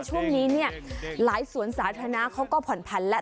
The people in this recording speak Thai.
ช่วงนี้เนี่ยหลายสวนสาธารณะเขาก็ผ่อนผันแล้ว